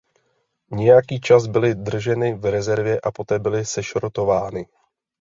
Nějaký čas byly drženy v rezervě a poté byly sešrotovány.